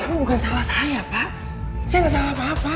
tapi bukan salah saya pak saya gak salah apa apa